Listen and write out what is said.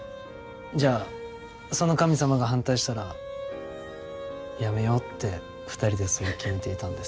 じゃあその神様が反対したらやめようって２人でそう決めていたんです。